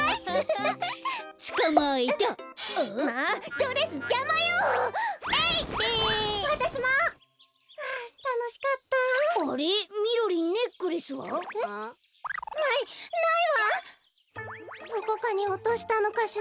どこかにおとしたのかしら？